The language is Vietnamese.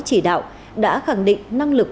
chỉ đạo đã khẳng định năng lực